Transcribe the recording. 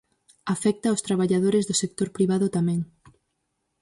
Afecta aos traballadores do sector privado tamén.